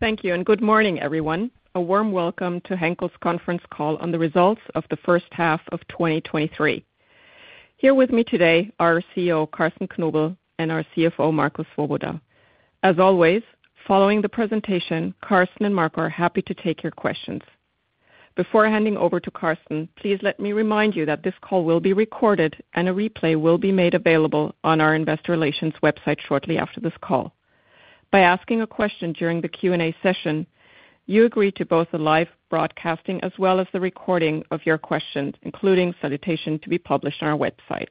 Thank you, good morning, everyone. A warm welcome to Henkel's conference call on the results of the first half of 2023. Here with me today are our CEO, Carsten Knobel, and our CFO, Marco Swoboda. As always, following the presentation, Carsten and Marco are happy to take your questions. Before handing over to Carsten, please let me remind you that this call will be recorded and a replay will be made available on our investor relations website shortly after this call. By asking a question during the Q&A session, you agree to both the live broadcasting as well as the recording of your questions, including salutation, to be published on our website.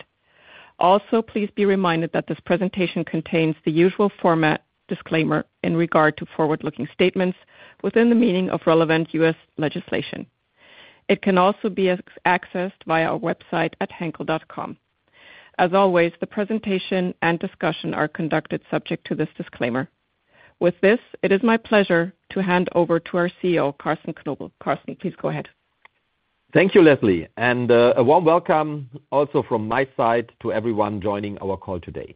Please be reminded that this presentation contains the usual format disclaimer in regard to forward-looking statements within the meaning of relevant U.S. legislation. It can also be accessed via our website at henkel.com. As always, the presentation and discussion are conducted subject to this disclaimer. With this, it is my pleasure to hand over to our CEO, Carsten Knobel. Carsten, please go ahead. Thank you, Leslie, a warm welcome also from my side to everyone joining our call today.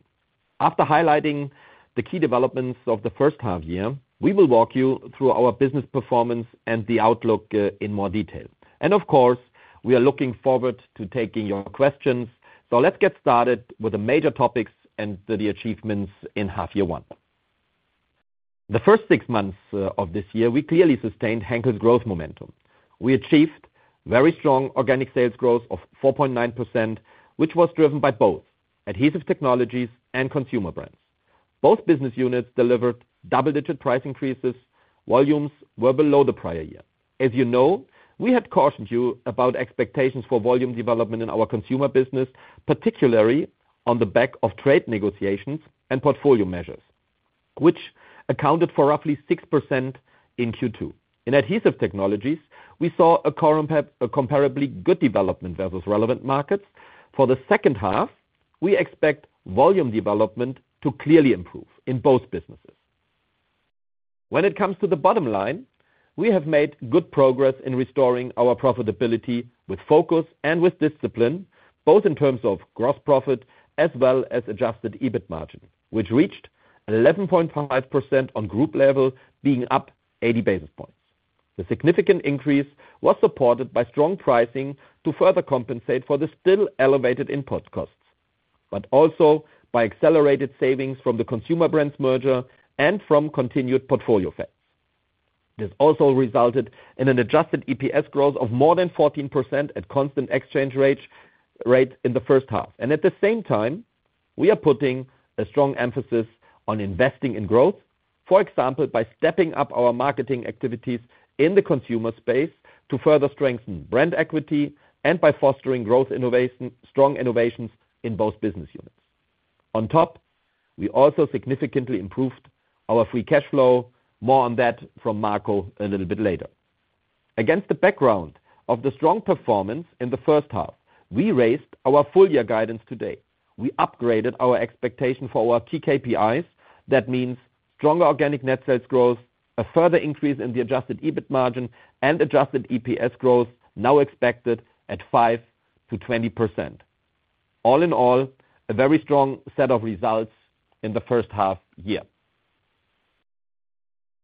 After highlighting the key developments of the first half year, we will walk you through our business performance and the outlook in more detail, of course, we are looking forward to taking your questions. Let's get started with the major topics and the achievements in half year 1. The first 6 months of this year, we clearly sustained Henkel's growth momentum. We achieved very strong organic sales growth of 4.9%, which was driven by both Adhesive Technologies and Consumer Brands. Both business units delivered double-digit price increases. Volumes were below the prior year. As you know, we had cautioned you about expectations for volume development in our consumer business, particularly on the back of trade negotiations and portfolio measures, which accounted for roughly 6% in Q2. In Adhesive Technologies, we saw a comparably good development versus relevant markets. For the second half, we expect volume development to clearly improve in both businesses. When it comes to the bottom line, we have made good progress in restoring our profitability with focus and with discipline, both in terms of gross profit as well as adjusted EBIT margin, which reached 11.5% on group level, being up 80 basis points. The significant increase was supported by strong pricing to further compensate for the still elevated input costs, but also by accelerated savings from the Consumer Brands merger and from continued portfolio effects. This also resulted in an adjusted EPS growth of more than 14% at constant exchange rate in the first half. At the same time, we are putting a strong emphasis on investing in growth. For example, by stepping up our marketing activities in the consumer space to further strengthen brand equity, and by fostering growth innovation, strong innovations in both business units. On top, we also significantly improved our free cash flow. More on that from Marco a little bit later. Against the background of the strong performance in the first half, we raised our full year guidance today. We upgraded our expectation for our key KPIs. That means stronger organic net sales growth, a further increase in the adjusted EBIT margin, and adjusted EPS growth, now expected at 5%-20%. All in all, a very strong set of results in the first half year.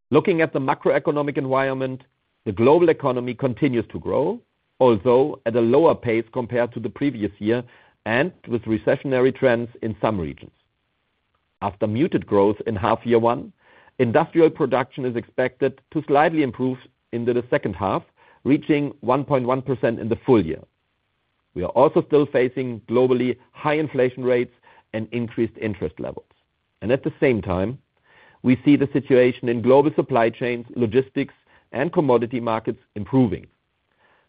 Looking at the macroeconomic environment, the global economy continues to grow, although at a lower pace compared to the previous year, and with recessionary trends in some regions. After muted growth in half year 1, industrial production is expected to slightly improve into the second half, reaching 1.1% in the full year. We are also still facing globally high inflation rates and increased interest levels. At the same time, we see the situation in global supply chains, logistics, and commodity markets improving.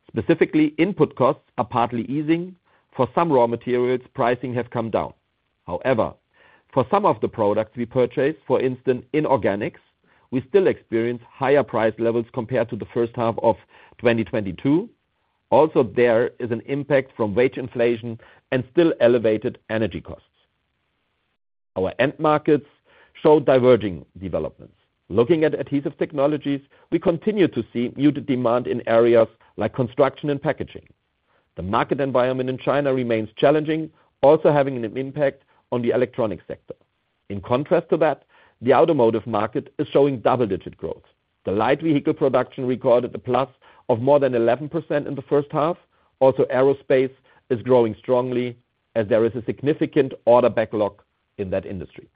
Specifically, input costs are partly easing. For some raw materials, pricing has come down. However, for some of the products we purchase, for instance, in organics, we still experience higher price levels compared to the first half of 2022. Also, there is an impact from wage inflation and still elevated energy costs. Our end markets show diverging developments. Looking at Adhesive Technologies, we continue to see muted demand in areas like Construction and Packaging. The market environment in China remains challenging, also having an impact on the electronic sector. In contrast to that, the automotive market is showing double-digit growth. The light vehicle production recorded a plus of more than 11% in the first half. Also, aerospace is growing strongly as there is a significant order backlog in that industry.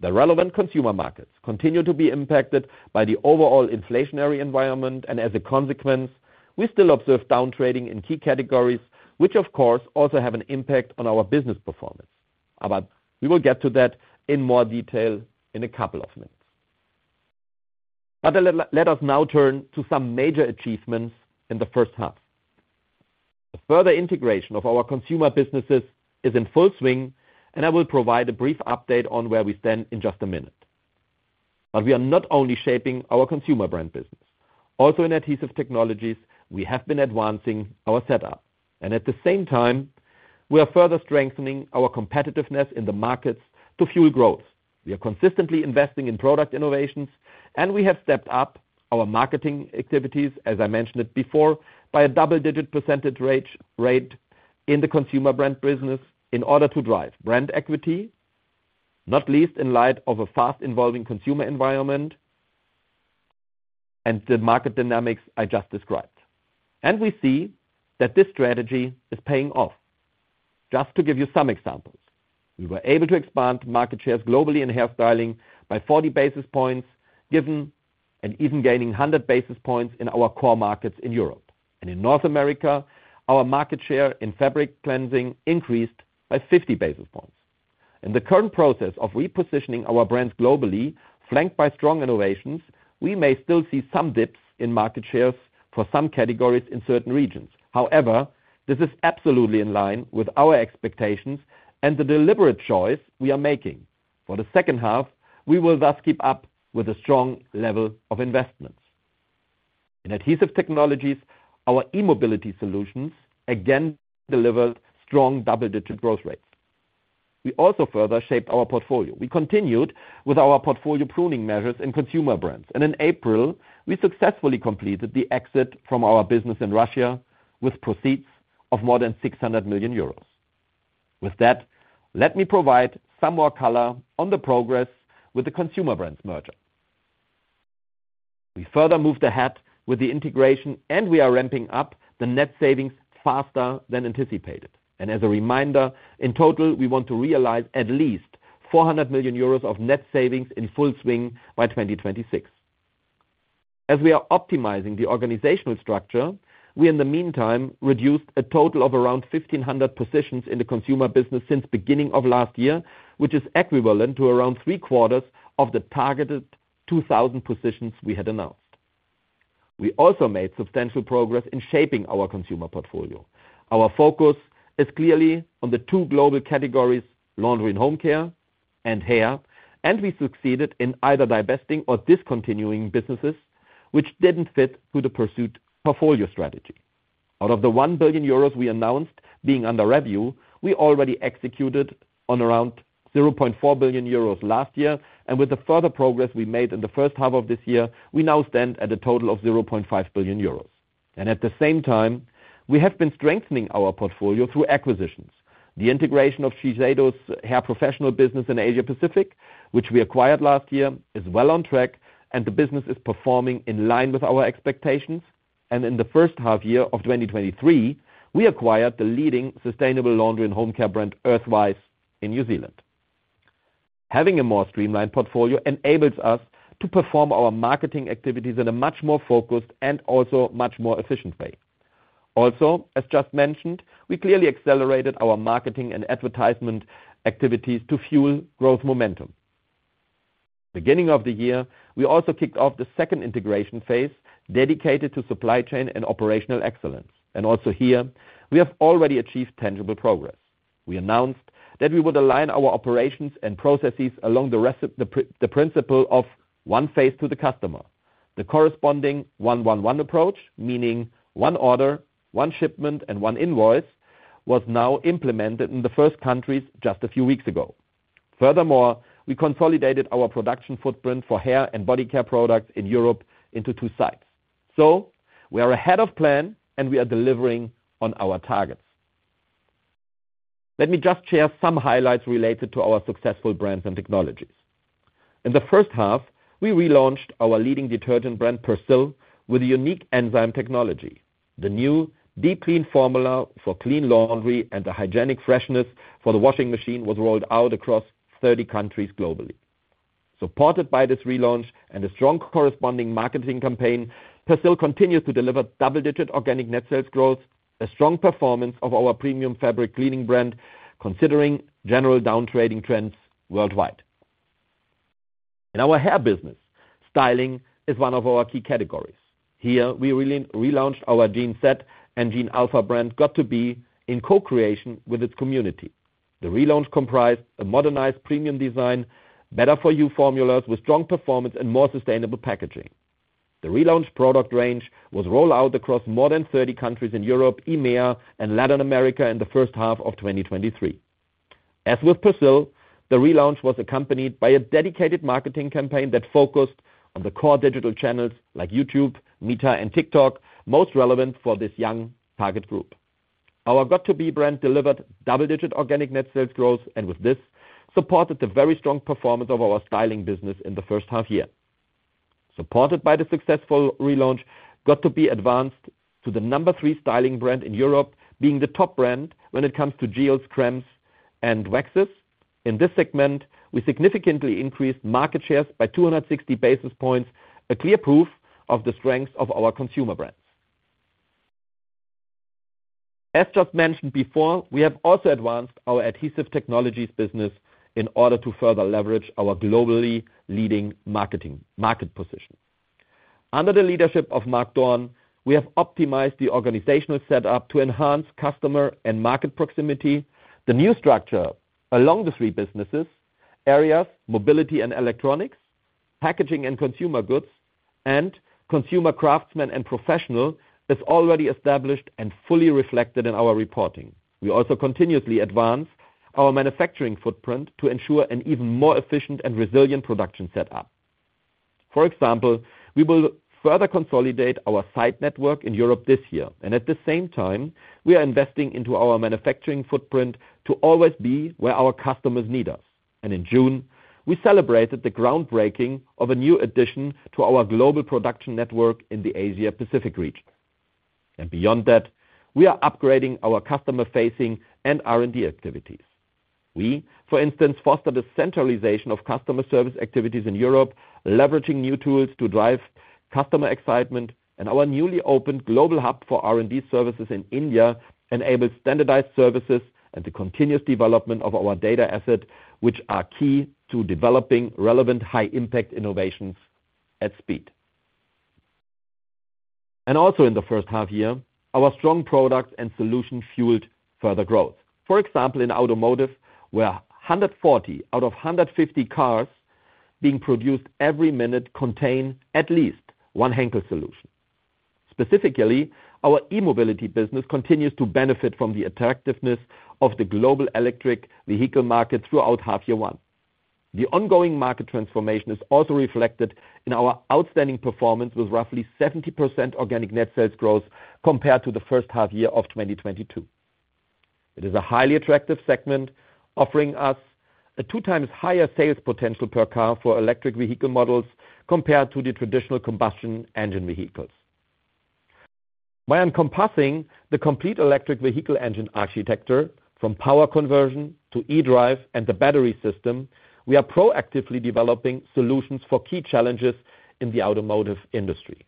The relevant consumer markets continue to be impacted by the overall inflationary environment, and as a consequence, we still observe down trading in key categories, which of course also have an impact on our business performance. We will get to that in more detail in a couple of minutes. let us now turn to some major achievements in the first half. The further integration of our Consumer Brands businesses is in full swing, I will provide a brief update on where we stand in just a minute. We are not only shaping our Consumer Brands business. Also in Adhesive Technologies, we have been advancing our setup, and at the same time, we are further strengthening our competitiveness in the markets to fuel growth. We are consistently investing in product innovations, and we have stepped up our marketing activities, as I mentioned it before, by a double-digit % rate in the Consumer Brands business in order to drive brand equity, not least in light of a fast-involving consumer environment and the market dynamics I just described. We see that this strategy is paying off. Just to give you some examples, we were able to expand market shares globally in hairstyling by 40 basis points, given, and even gaining 100 basis points in our core markets in Europe. In North America, our market share in fabric cleansing increased by 50 basis points. In the current process of repositioning our brands globally, flanked by strong innovations, we may still see some dips in market shares for some categories in certain regions. However, this is absolutely in line with our expectations and the deliberate choice we are making. For the second half, we will thus keep up with a strong level of investments. In Adhesive Technologies, our e-mobility solutions again delivered strong double-digit growth rates. We also further shaped our portfolio. We continued with our portfolio pruning measures in Consumer Brands, and in April, we successfully completed the exit from our business in Russia with proceeds of more than 600 million euros. With that, let me provide some more color on the progress with the Consumer Brands merger. We further moved ahead with the integration, and we are ramping up the net savings faster than anticipated. As a reminder, in total, we want to realize at least 400 million euros of net savings in full swing by 2026. As we are optimizing the organizational structure, we, in the meantime, reduced a total of around 1,500 positions in the consumer business since beginning of last year, which is equivalent to around three quarters of the targeted 2,000 positions we had announced. We also made substantial progress in shaping our consumer portfolio. Our focus is clearly on the two global categories, Laundry & Home Care and Hair. We succeeded in either divesting or discontinuing businesses which didn't fit to the pursued portfolio strategy. Out of the 1 billion euros we announced being under review, we already executed on around 0.4 billion euros last year, and with the further progress we made in the first half of this year, we now stand at a total of 0.5 billion euros. At the same time, we have been strengthening our portfolio through acquisitions. The integration of Shiseido's Hair professional business in Asia Pacific, which we acquired last year, is well on track and the business is performing in line with our expectations. In the first half year of 2023, we acquired the leading sustainable Laundry & Home Care brand, Earthwise, in New Zealand. Having a more streamlined portfolio enables us to perform our marketing activities in a much more focused and also much more efficient way. As just mentioned, we clearly accelerated our marketing and advertisement activities to fuel growth momentum. Beginning of the year, we also kicked off the second integration phase, dedicated to supply chain and operational excellence, and also here we have already achieved tangible progress. We announced that we would align our operations and processes along the principle of one face to the customer. The corresponding one, one, one approach, meaning one order, one shipment, and one invoice, was now implemented in the first countries just a few weeks ago. Furthermore, we consolidated our production footprint for hair and body care products in Europe into 2 sites. We are ahead of plan, and we are delivering on our targets. Let me just share some highlights related to our successful brands and technologies. In the first half, we relaunched our leading detergent brand, Persil, with a unique enzyme technology. The new deep clean formula for clean laundry and the hygienic freshness for the washing machine was rolled out across 30 countries globally. Supported by this relaunch and a strong corresponding marketing campaign, Persil continues to deliver double-digit organic net sales growth, a strong performance of our premium fabric cleaning brand, considering general downtrading trends worldwide. In our Hair business, styling is one of our key categories. Here, we relaunched our göt2b in co-creation with its community. The relaunch comprised a modernized premium design, better for you formulas with strong performance and more sustainable packaging. The relaunch product range was rolled out across more than 30 countries in Europe, EMEA, and Latin America in the first half of 2023. As with Persil, the relaunch was accompanied by a dedicated marketing campaign that focused on the core digital channels like YouTube, Meta, and TikTok, most relevant for this young target group. Our göt2b brand delivered double-digit organic net sales growth, and with this, supported the very strong performance of our styling business in the first half year. Supported by the successful relaunch, göt2b advanced to the number 3 styling brand in Europe, being the top brand when it comes to gels, cremes, and waxes. In this segment, we significantly increased market shares by 260 basis points, a clear proof of the strength of our Consumer Brands. As just mentioned before, we have also advanced our Adhesive Technologies business in order to further leverage our globally leading marketing, market position. Under the leadership of Mark Dorn, we have optimized the organizational setup to enhance customer and market proximity. The new structure, along the three businesses, areas, Mobility & Electronics, Packaging & Consumer Goods, and Craftsmen, Construction & Professional, is already established and fully reflected in our reporting. We also continuously advance our manufacturing footprint to ensure an even more efficient and resilient production setup. For example, we will further consolidate our site network in Europe this year. At the same time, we are investing into our manufacturing footprint to always be where our customers need us. In June, we celebrated the groundbreaking of a new addition to our global production network in the Asia Pacific region. Beyond that, we are upgrading our customer-facing and R&D activities. We, for instance, foster the centralization of customer service activities in Europe, leveraging new tools to drive customer excitement, and our newly opened global hub for R&D services in India enables standardized services and the continuous development of our data asset, which are key to developing relevant, high-impact innovations at speed. Also in the first half year, our strong product and solution fueled further growth. For example, in automotive, where 140 out of 150 cars being produced every minute contain at least one Henkel solution. Specifically, our e-mobility business continues to benefit from the attractiveness of the global electric vehicle market throughout half year one. The ongoing market transformation is also reflected in our outstanding performance, with roughly 70% organic net sales growth compared to the first half year of 2022. It is a highly attractive segment, offering us a 2 times higher sales potential per car for electric vehicle models compared to the traditional combustion engine vehicles. By encompassing the complete electric vehicle engine architecture, from power conversion to e-drive and the battery system, we are proactively developing solutions for key challenges in the automotive industry.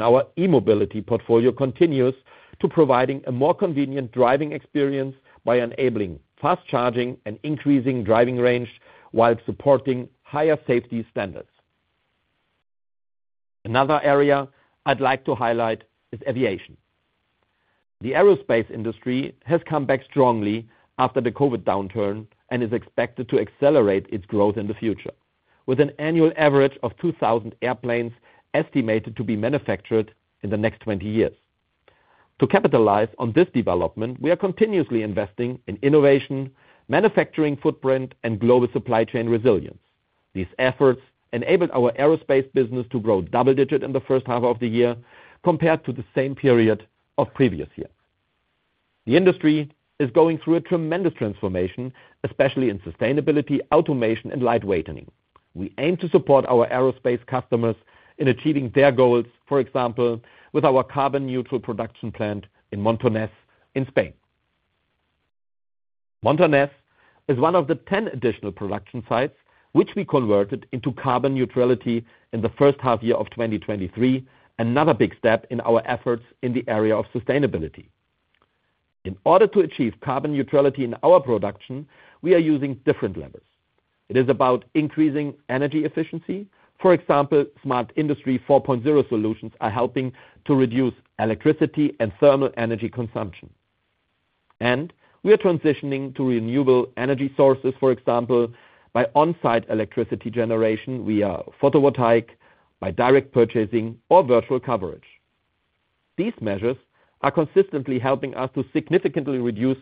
Our e-mobility portfolio continues to providing a more convenient driving experience by enabling fast charging and increasing driving range while supporting higher safety standards. Another area I'd like to highlight is aviation. The aerospace industry has come back strongly after the COVID downturn and is expected to accelerate its growth in the future, with an annual average of 2,000 airplanes estimated to be manufactured in the next 20 years. To capitalize on this development, we are continuously investing in innovation, manufacturing footprint, and global supply chain resilience. These efforts enabled our aerospace business to grow double-digit in the first half of the year compared to the same period of previous years. The industry is going through a tremendous transformation, especially in sustainability, automation, and lightweightening. We aim to support our aerospace customers in achieving their goals, for example, with our carbon-neutral production plant in Montornès in Spain. Montornès is one of the ten additional production sites which we converted into carbon neutrality in the first half year of 2023, another big step in our effort in the area of sustainability. In order to achieve carbon neutrality in our production, we are using different techniques. It is about increasing energy efficiency, for example, smart industry 4.0 solutions are helping to reduce electricity and thermal energy consumption. We are transitioning to renewable energy sources, for example, by on-site electricity generation via photovoltaic, by direct purchasing or virtual coverage. These measures are consistently helping us to significantly reduce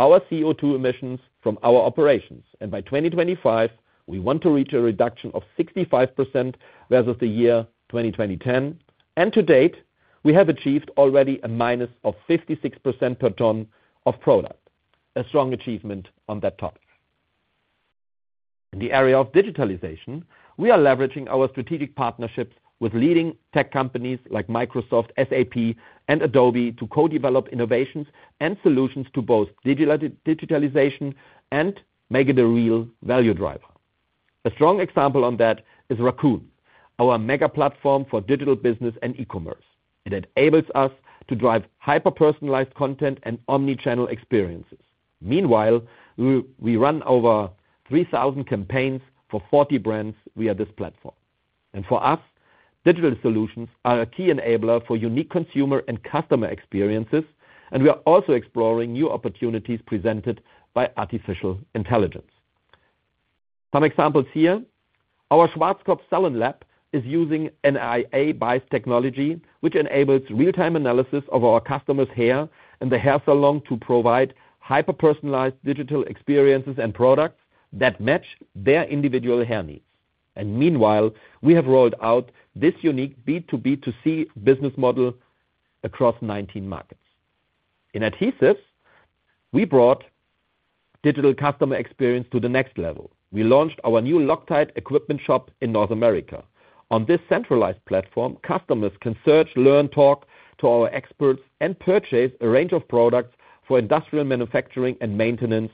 our CO2 emissions from our operations, and by 2025, we want to reach a reduction of 65% versus the year 2010. To date, we have achieved already a minus of 56% per ton of product. A strong achievement on that topic. In the area of digitalization, we are leveraging our strategic partnerships with leading tech companies like Microsoft, SAP, and Adobe to co-develop innovations and solutions to both digitalization and make it a real value driver. A strong example on that is RAQN, our mega platform for digital business and e-commerce. It enables us to drive hyper-personalized content and omni-channel experiences. Meanwhile, we run over 3,000 campaigns for 40 brands via this platform. For us, digital solutions are a key enabler for unique consumer and customer experiences, and we are also exploring new opportunities presented by artificial intelligence. Some examples here, our Schwarzkopf SalonLab is using an AI-based technology, which enables real-time analysis of our customers' hair in the hair salon to provide hyper-personalized digital experiences and products that match their individual hair needs. Meanwhile, we have rolled out this unique B2B2C business model across 19 markets. In adhesives, we brought digital customer experience to the next level. We launched our new Loctite equipment shop in North America. On this centralized platform, customers can search, learn, talk to our experts, and purchase a range of products for industrial manufacturing and maintenance.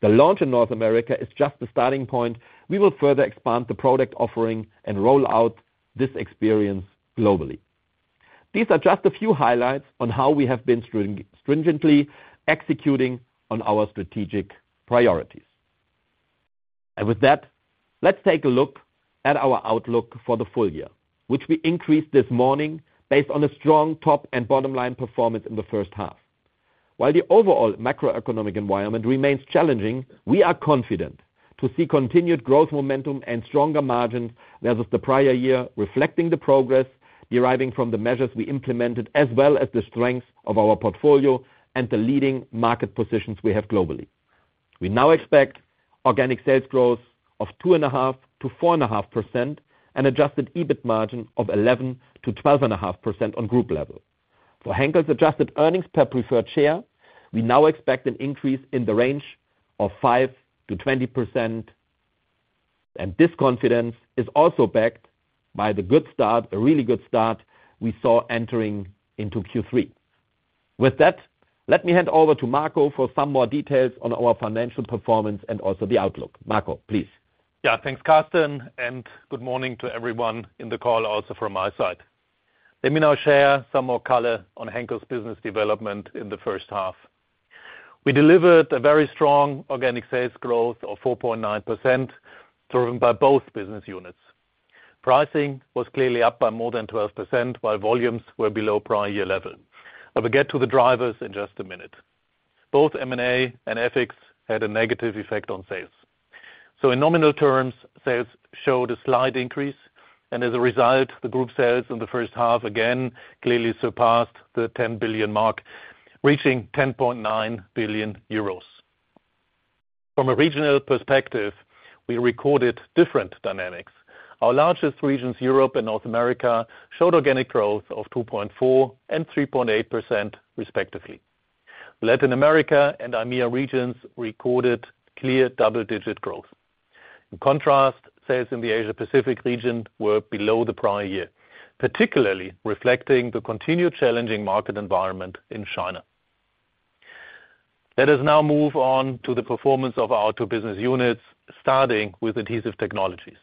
The launch in North America is just the starting point. We will further expand the product offering and roll out this experience globally. These are just a few highlights on how we have been stringently executing on our strategic priorities. With that, let's take a look at our outlook for the full year, which we increased this morning based on a strong top and bottom line performance in the first half. While the overall macroeconomic environment remains challenging, we are confident to see continued growth, momentum, and stronger margins versus the prior year, reflecting the progress deriving from the measures we implemented, as well as the strength of our portfolio and the leading market positions we have globally. We now expect organic sales growth of 2.5%-4.5%, and adjusted EBIT margin of 11%-12.5% on group level. For Henkel's adjusted earnings per preferred share, we now expect an increase in the range of 5%-20%. This confidence is also backed by the good start, a really good start, we saw entering into Q3. With that, let me hand over to Marco for some more details on our financial performance and also the outlook. Marco, please. Thanks, Carsten, good morning to everyone in the call, also from my side. Let me now share some more color on Henkel's business development in the first half. We delivered a very strong organic sales growth of 4.9%, driven by both business units. Pricing was clearly up by more than 12%, while volumes were below prior year level. I will get to the drivers in just a minute. Both M&A and FX had a negative effect on sales. In nominal terms, sales showed a slight increase, as a result, the group sales in the first half again clearly surpassed the 10 billion mark, reaching 10.9 billion euros. From a regional perspective, we recorded different dynamics. Our largest regions, Europe and North America, showed organic growth of 2.4% and 3.8% respectively. Latin America and AMEA regions recorded clear double-digit growth. In contrast, sales in the Asia Pacific region were below the prior year, particularly reflecting the continued challenging market environment in China. Let us now move on to the performance of our two business units, starting with Adhesive Technologies.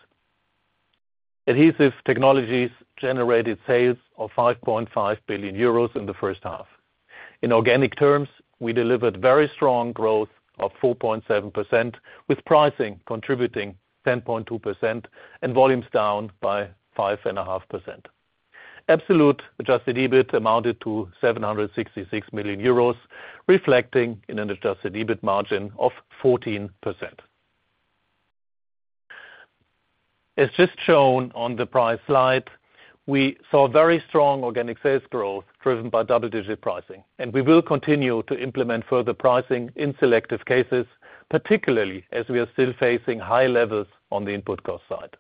Adhesive Technologies generated sales of 5.5 billion euros in the first half. In organic terms, we delivered very strong growth of 4.7%, with pricing contributing 10.2% and volumes down by 5.5%. Absolute adjusted EBIT amounted to 766 million euros, reflecting in an adjusted EBIT margin of 14%. As just shown on the prior slide, we saw very strong organic sales growth driven by double-digit pricing. We will continue to implement further pricing in selective cases, particularly as we are still facing high levels on the input cost side.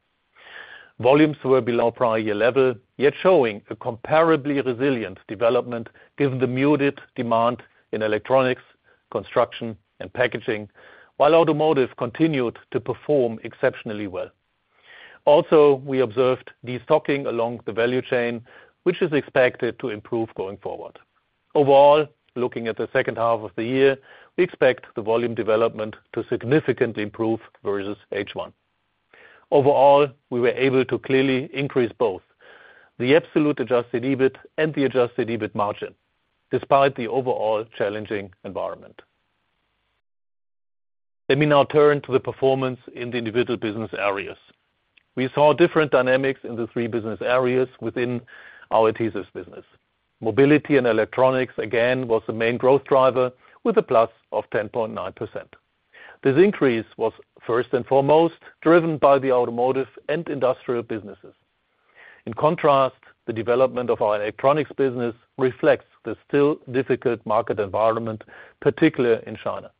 Volumes were below prior year level, yet showing a comparably resilient development given the muted demand in electronics, construction, and packaging, while automotive continued to perform exceptionally well. We observed destocking along the value chain, which is expected to improve going forward. Overall, looking at the second half of the year, we expect the volume development to significantly improve versus H1. Overall, we were able to clearly increase both the absolute adjusted EBIT and the adjusted EBIT margin, despite the overall challenging environment. Let me now turn to the performance in the individual business areas. We saw different dynamics in the three business areas within our adhesives business. Mobility & Electronics, again, was the main growth driver with a plus of 10.9%. This increase was first and foremost driven by the automotive and industrial businesses. In contrast, the development of our electronics business reflects the still difficult market environment, particularly in China.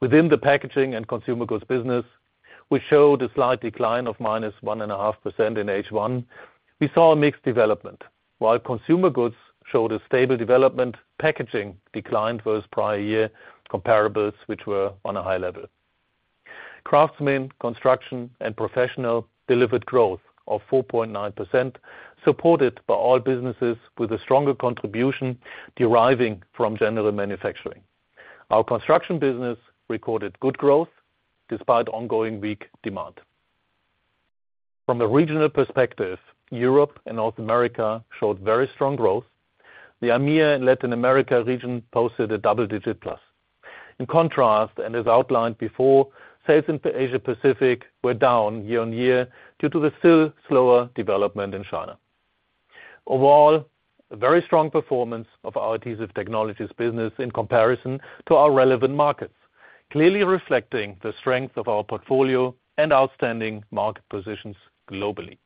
Within the Packaging & Consumer Goods business, we showed a slight decline of -1.5% in H1. We saw a mixed development. While consumer goods showed a stable development, packaging declined versus prior year comparables, which were on a high level. Craftsmen, Construction & Professional delivered growth of 4.9%, supported by all businesses with a stronger contribution deriving from general manufacturing. Our construction business recorded good growth despite ongoing weak demand. From a regional perspective, Europe and North America showed very strong growth. The AMEA and Latin America region posted a double-digit plus. In contrast, as outlined before, sales in Asia Pacific were down year-on-year due to the still slower development in China. Overall, a very strong performance of our Adhesive Technologies business in comparison to our relevant markets, clearly reflecting the strength of our portfolio and outstanding market positions globally.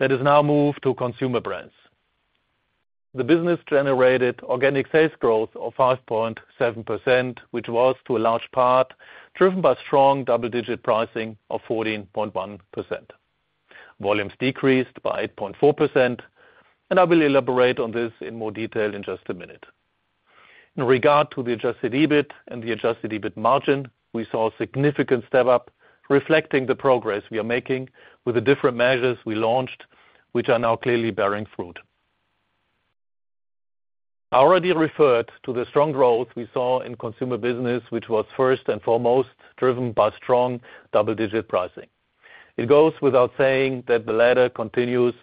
Let us now move to Consumer Brands. The business generated organic sales growth of 5.7%, which was, to a large part, driven by strong double-digit pricing of 14.1%. Volumes decreased by 8.4%. I will elaborate on this in more detail in just a minute. In regard to the adjusted EBIT and the adjusted EBIT margin, we saw a significant step-up, reflecting the progress we are making with the different measures we launched, which are now clearly bearing fruit. I already referred to the strong growth we saw in Consumer Brands, which was first and foremost driven by strong double-digit pricing. It goes without saying that the latter continues to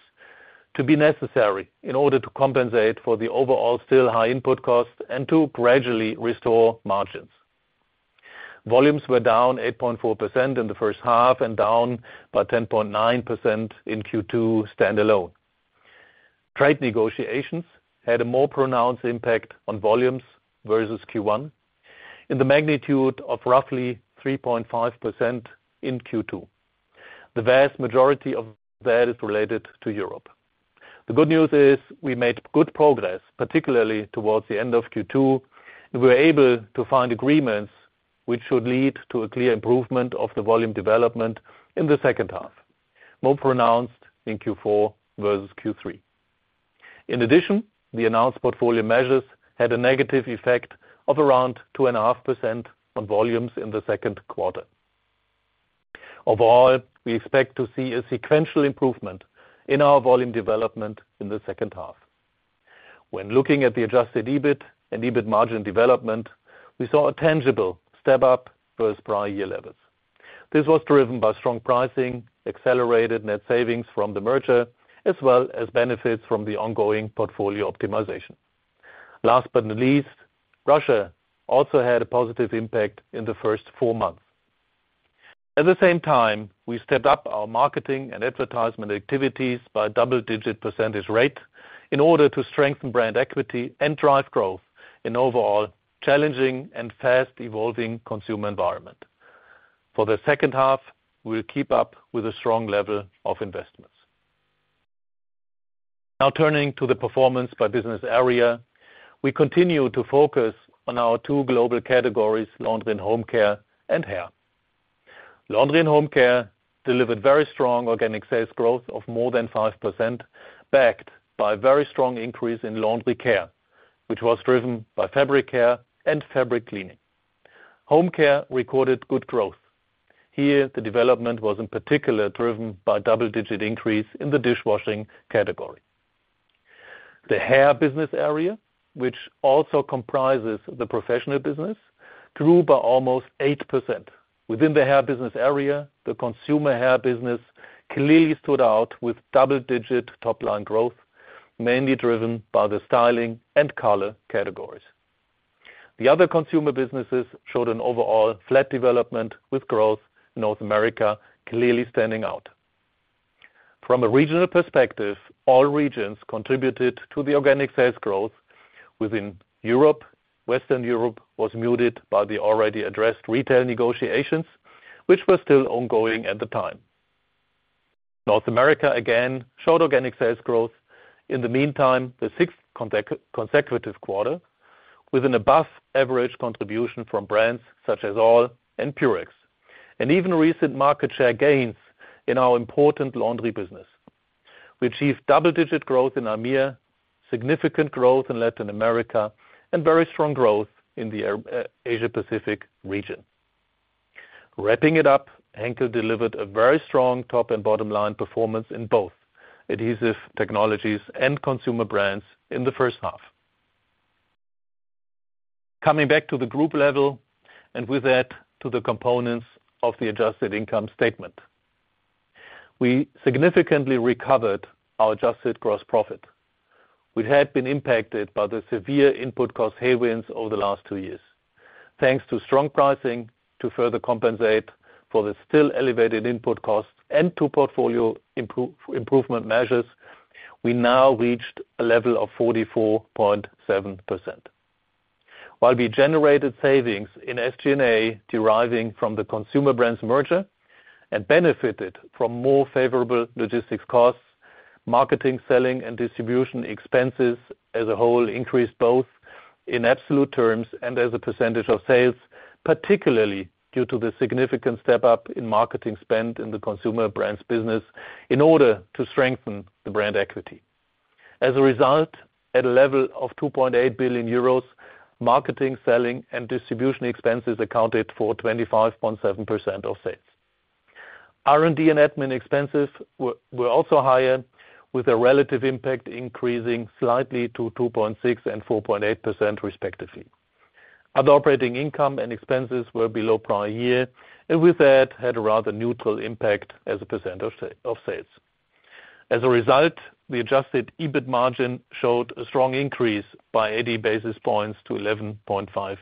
be necessary in order to compensate for the overall still high input costs and to gradually restore margins. Volumes were down 8.4% in the first half and down by 10.9% in Q2 standalone. Trade negotiations had a more pronounced impact on volumes versus Q1 in the magnitude of roughly 3.5% in Q2. The vast majority of that is related to Europe. The good news is we made good progress, particularly towards the end of Q2, and we were able to find agreements which should lead to a clear improvement of the volume development in the second half, more pronounced in Q4 versus Q3. In addition, the announced portfolio measures had a negative effect of around 2.5% on volumes in the 2Q. Overall, we expect to see a sequential improvement in our volume development in the 2H. When looking at the adjusted EBIT and EBIT margin development, we saw a tangible step up versus prior year levels. This was driven by strong pricing, accelerated net savings from the merger, as well as benefits from the ongoing portfolio optimization. Last but not least, Russia also had a positive impact in the 4 months. At the same time, we stepped up our marketing and advertisement activities by a double-digit % rate in order to strengthen brand equity and drive growth in overall challenging and fast-evolving consumer environment. For the 2H, we'll keep up with a strong level of investments. Now turning to the performance by business area, we continue to focus on our two global categories, Laundry & Home Care and Hair. Laundry & Home Care delivered very strong organic sales growth of more than 5%, backed by a very strong increase in laundry care, which was driven by fabric care and fabric cleaning. Home care recorded good growth. Here, the development was in particular driven by double-digit increase in the dishwashing category. The hair business area, which also comprises the professional business, grew by almost 8%. Within the hair business area, the consumer hair business clearly stood out with double-digit top line growth, mainly driven by the styling and color categories. The other consumer businesses showed an overall flat development, with growth in North America clearly standing out. From a regional perspective, all regions contributed to the organic sales growth. Within Europe, Western Europe was muted by the already addressed retail negotiations, which were still ongoing at the time. North America again showed organic sales growth. In the meantime, the sixth consecutive quarter, with an above average contribution from brands such as All and Purex, and even recent market share gains in our important laundry business. We achieved double-digit growth in AMEA, significant growth in Latin America, and very strong growth in the Asia Pacific region. Wrapping it up, Henkel delivered a very strong top and bottom line performance in both Adhesive Technologies and Consumer Brands in the first half. Coming back to the group level, and with that, to the components of the adjusted income statement. We significantly recovered our adjusted gross profit, which had been impacted by the severe input cost headwinds over the last 2 years. Thanks to strong pricing to further compensate for the still elevated input costs and to portfolio improvement measures, we now reached a level of 44.7%. While we generated savings in SG&A deriving from the Consumer Brands merger and benefited from more favorable logistics costs, marketing, selling, and distribution expenses as a whole increased both in absolute terms and as a percentage of sales, particularly due to the significant step up in marketing spend in the Consumer Brands business in order to strengthen the brand equity. As a result, at a level of 2.8 billion euros, marketing, selling, and distribution expenses accounted for 25.7% of sales. R&D and admin expenses were also higher, with a relative impact increasing slightly to 2.6% and 4.8% respectively. Other operating income and expenses were below prior year, with that, had a rather neutral impact as a % of sales. As a result, the adjusted EBIT margin showed a strong increase by 80 basis points to 11.5%.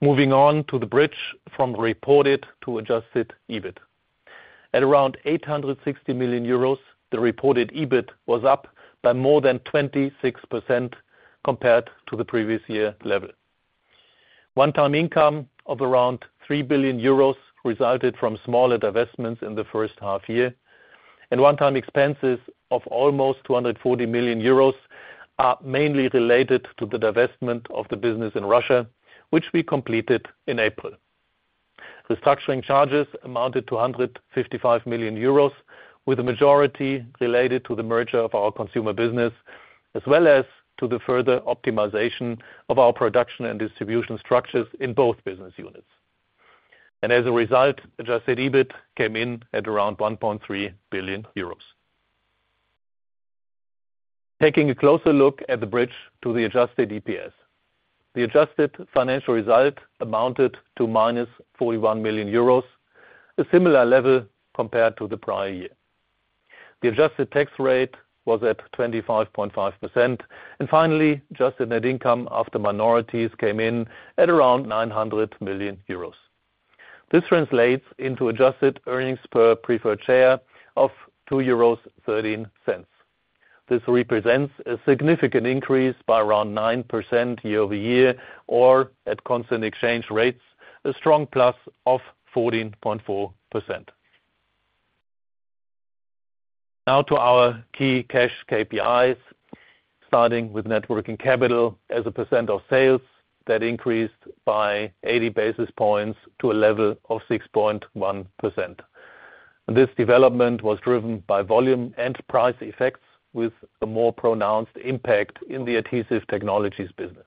Moving on to the bridge from reported to adjusted EBIT. At around 860 million euros, the reported EBIT was up by more than 26% compared to the previous year level. One-time income of around 3 billion euros resulted from smaller divestments in the first half year, and one-time expenses of almost 240 million euros are mainly related to the divestment of the business in Russia, which we completed in April. Restructuring charges amounted to 155 million euros, with the majority related to the merger of our Consumer Brands, as well as to the further optimization of our production and distribution structures in both business units. As a result, adjusted EBIT came in at around 1.3 billion euros. Taking a closer look at the bridge to the adjusted EPS. The adjusted financial result amounted to -41 million euros, a similar level compared to the prior year. The adjusted tax rate was at 25.5%. Finally, adjusted net income after minorities came in at around 900 million euros. This translates into adjusted earnings per preferred share of 2.13 euros. This represents a significant increase by around 9% year-over-year, or at constant exchange rates, a strong plus of 14.4%. Now to our key cash KPIs, starting with net working capital as a % of sales, that increased by 80 basis points to a level of 6.1%. This development was driven by volume and price effects, with a more pronounced impact in the Adhesive Technologies business.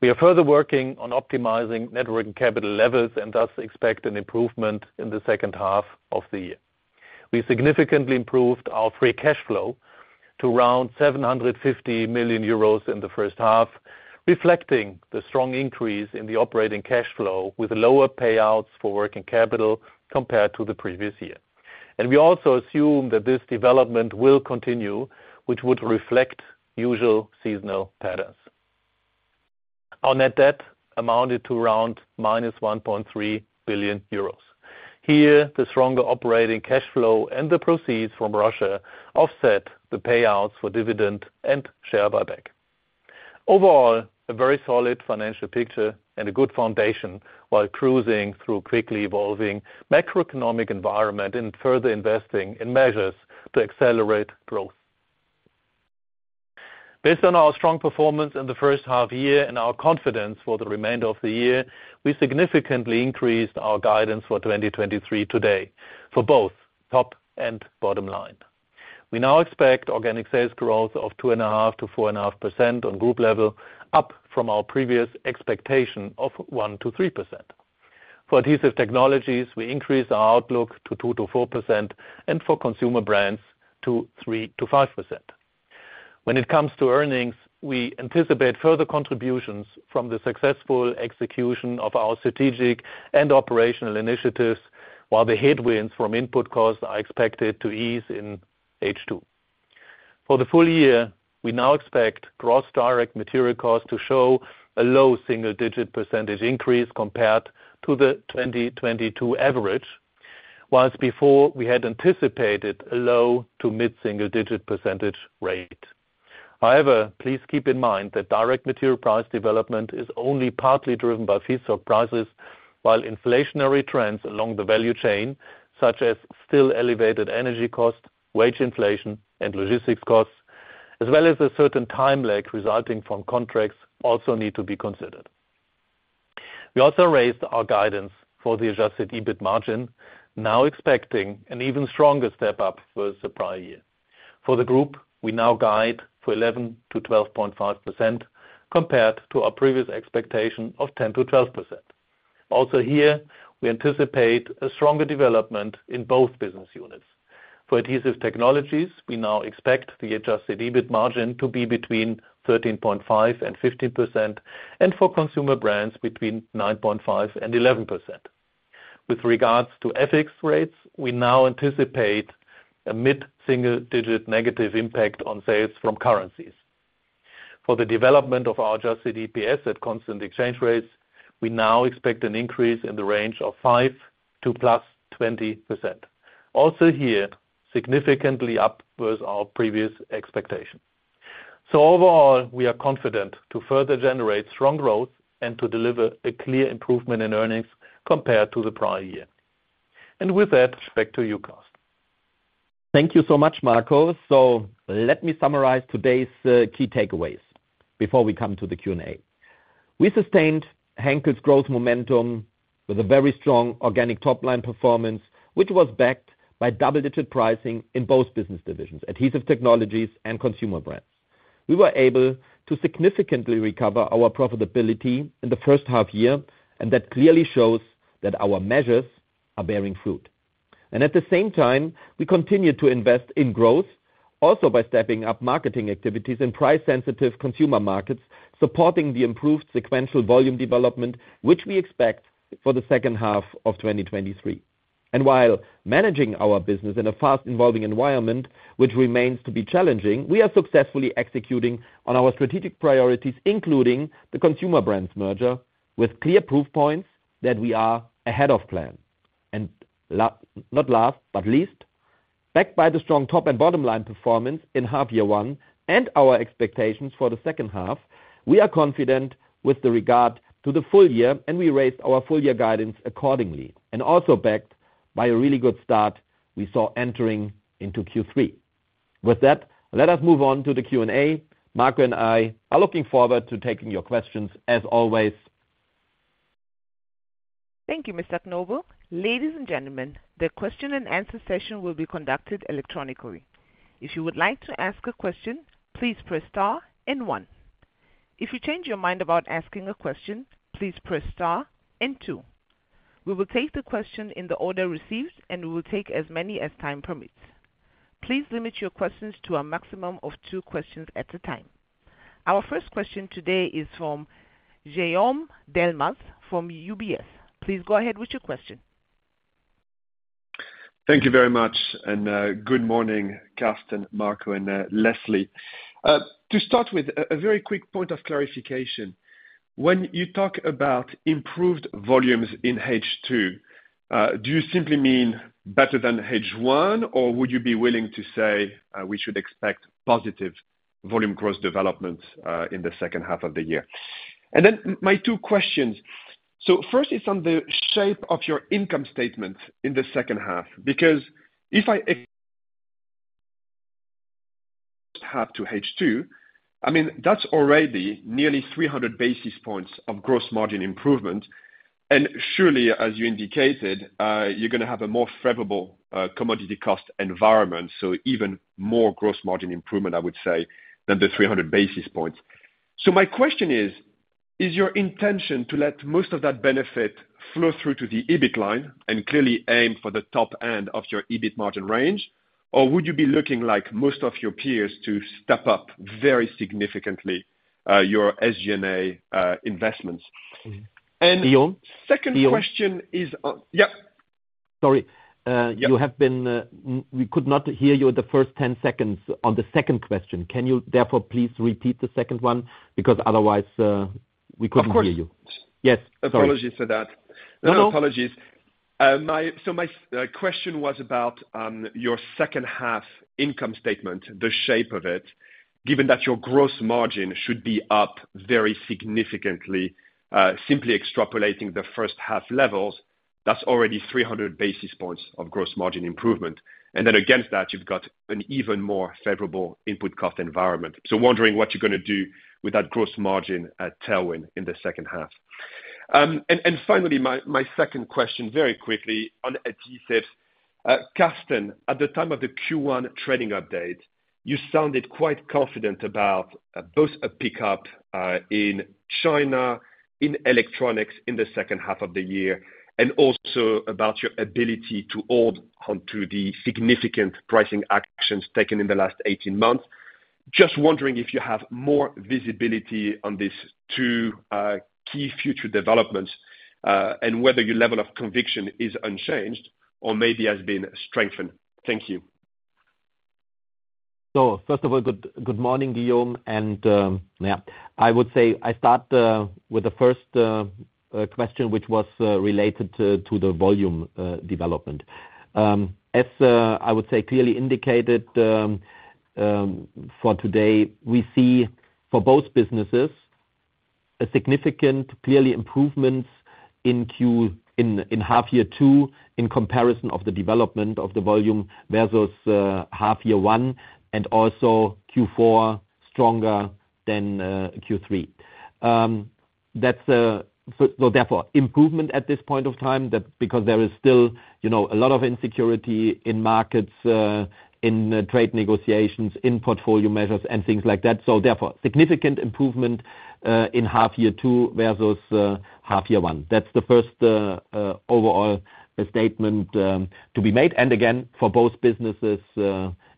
We are further working on optimizing net working capital levels and thus expect an improvement in the second half of the year. We significantly improved our free cash flow to around 750 million euros in the first half, reflecting the strong increase in the operating cash flow with lower payouts for working capital compared to the previous year. We also assume that this development will continue, which would reflect usual seasonal patterns. Our net debt amounted to around -1.3 billion euros. Here, the stronger operating cash flow and the proceeds from Russia offset the payouts for dividend and share buyback. Overall, a very solid financial picture and a good foundation while cruising through quickly evolving macroeconomic environment and further investing in measures to accelerate growth. Based on our strong performance in the first half year and our confidence for the remainder of the year, we significantly increased our guidance for 2023 today for both top and bottom line. We now expect organic sales growth of 2.5%-4.5% on group level, up from our previous expectation of 1%-3%. For Adhesive Technologies, we increase our outlook to 2%-4%, and for Consumer Brands to 3%-5%. When it comes to earnings, we anticipate further contributions from the successful execution of our strategic and operational initiatives, while the headwinds from input costs are expected to ease in H2. For the full year, we now expect gross direct material costs to show a low single digit % increase compared to the 2022 average, whilst before we had anticipated a low to mid single digit % rate. However, please keep in mind that direct material price development is only partly driven by feedstock prices, while inflationary trends along the value chain, such as still elevated energy costs, wage inflation and logistics costs, as well as a certain time lag resulting from contracts, also need to be considered. We also raised our guidance for the adjusted EBIT margin, now expecting an even stronger step up versus the prior year. For the group, we now guide for 11%-12.5%, compared to our previous expectation of 10%-12%. Here, we anticipate a stronger development in both business units. For Adhesive Technologies, we now expect the adjusted EBIT margin to be between 13.5% and 15%, and for Consumer Brands, between 9.5% and 11%. With regards to FX rates, we now anticipate a mid-single digit negative impact on sales from currencies. For the development of our adjusted EPS at constant exchange rates, we now expect an increase in the range of 5% to +20%. Here, significantly up versus our previous expectation. Overall, we are confident to further generate strong growth and to deliver a clear improvement in earnings compared to the prior year. With that, back to you, Carsten. Thank you so much, Marco. Let me summarize today's key takeaways before we come to the Q&A. We sustained Henkel's growth momentum with a very strong organic top-line performance, which was backed by double-digit pricing in both business divisions, Adhesive Technologies and Consumer Brands. We were able to significantly recover our profitability in the first half year, and that clearly shows that our measures are bearing fruit. At the same time, we continue to invest in growth also by stepping up marketing activities in price-sensitive consumer markets, supporting the improved sequential volume development, which we expect for the second half of 2023. While managing our business in a fast evolving environment, which remains to be challenging, we are successfully executing on our strategic priorities, including the Consumer Brands merger, with clear proof points that we are ahead of plan. Not last, but least, backed by the strong top and bottom line performance in half year 1 and our expectations for the second half, we are confident with the regard to the full year, and we raised our full year guidance accordingly, and also backed by a really good start we saw entering into Q3. With that, let us move on to the Q&A. Marco and I are looking forward to taking your questions as always. Thank you, Carsten Knobel. Ladies and gentlemen, the question and answer session will be conducted electronically. If you would like to ask a question, please press star and one. If you change your mind about asking a question, please press star and two. We will take the question in the order received, and we will take as many as time permits. Please limit your questions to a maximum of two questions at a time. Our first question today is from Guillaume Delmas from UBS. Please go ahead with your question. Thank you very much. Good morning, Carsten, Marco, and Leslie. To start with a very quick point of clarification. When you talk about improved volumes in H2, do you simply mean better than H1, or would you be willing to say, we should expect positive volume growth development in the second half of the year? My two questions. First, it's on the shape of your income statement in the second half, because if I- half to H2, I mean, that's already nearly 300 basis points of gross margin improvement. Surely, as you indicated, you're gonna have a more favorable commodity cost environment, so even more gross margin improvement, I would say, than the 300 basis points. My question is: Is your intention to let most of that benefit flow through to the EBIT line and clearly aim for the top end of your EBIT margin range? Or would you be looking, like most of your peers, to step up very significantly, your SG&A investments? Guillaume? Second question is. Yep. Sorry. Yep. You have been, we could not hear you the first 10 seconds on the second question. Can you therefore please repeat the second one? Otherwise, we couldn't hear you. Of course. Yes, sorry. Apologies for that. No, no. My apologies. My question was about your second half income statement, the shape of it, given that your gross margin should be up very significantly. Simply extrapolating the first half levels, that's already 300 basis points of gross margin improvement. Against that, you've got an even more favorable input cost environment. Wondering what you're gonna do with that gross margin at tailwind in the second half. Finally, my second question, very quickly, on Adhesives. Carsten, at the time of the Q1 trading update, you sounded quite confident about both a pickup in China, in electronics in the second half of the year, and also about your ability to hold onto the significant pricing actions taken in the last 18 months. Just wondering if you have more visibility on these 2, key future developments, and whether your level of conviction is unchanged or maybe has been strengthened. Thank you. First of all, good, good morning, Guillaume. Yeah, I would say I start with the first question, which was related to the volume development. As I would say, clearly indicated, for today, we see for both businesses a significant, clearly improvements in half year 2, in comparison of the development of the volume versus half year 1, and also Q4 stronger than Q3. That's. Therefore, improvement at this point of time, that, because there is still, you know, a lot of insecurity in markets, in trade negotiations, in portfolio measures, and things like that. Therefore, significant improvement in half year 2 versus half year 1. That's the first overall statement to be made, and again, for both businesses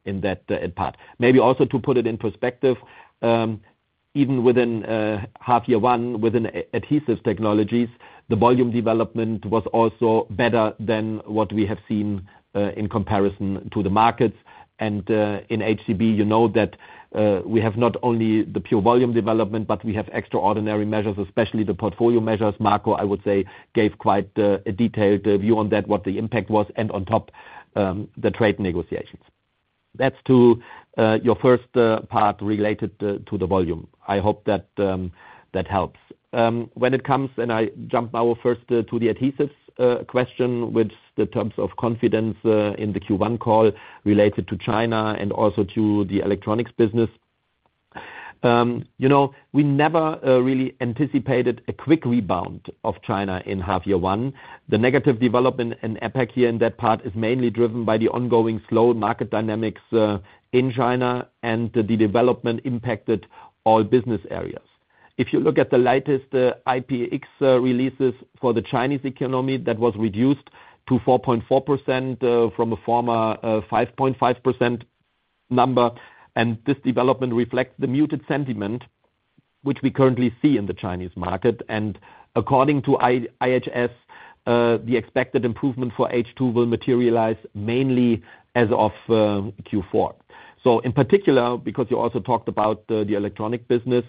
in that part. Maybe also to put it in perspective, even within half year one, within Adhesive Technologies, the volume development was also better than what we have seen in comparison to the markets. In HCB, you know that we have not only the pure volume development, but we have extraordinary measures, especially the portfolio measures. Marco, I would say, gave quite a detailed view on that, what the impact was, and on top, the trade negotiations. That's to your first part related to the volume. I hope that helps. When it comes-- and I jump now first to the Adhesives question, which the terms of confidence in the Q1 call related to China and also to the electronics business. You know, we never really anticipated a quick rebound of China in half year 1. The negative development in APAC here in that part is mainly driven by the ongoing slow market dynamics in China, the development impacted all business areas. If you look at the latest IPX releases for the Chinese economy, that was reduced to 4.4% from a former 5.5% number. This development reflects the muted sentiment which we currently see in the Chinese market. According to IHS, the expected improvement for H2 will materialize mainly as of Q4. In particular, because you also talked about the electronic business,